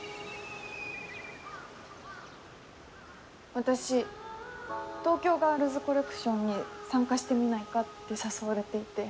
私東京ガールズコレクションに参加してみないかって誘われていて。